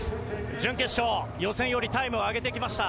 準決勝、予選よりタイムを上げてきました。